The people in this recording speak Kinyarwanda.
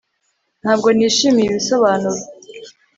ntabwo nishimiye ibisobanuro